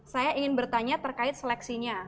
saya ingin bertanya terkait seleksinya